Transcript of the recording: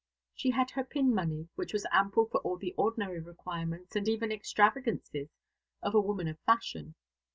She had her pin money, which was ample for all the ordinary requirements and even extravagances of a woman of fashion.